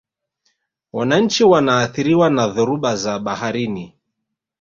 wananchi wanaathiriwa na dhoruba za baharini